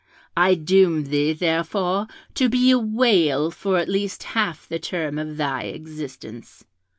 I doomed thee, therefore, to be a whale for at least half the term of thy existence.